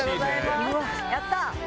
やった！